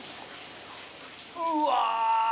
うわ！